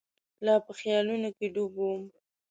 لا په خیالونو کې ډوب وم.